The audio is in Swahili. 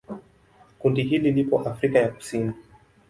Kundi hili lipo Afrika ya Kusini.